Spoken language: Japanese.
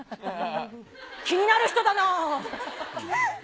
気になる人だなぁ。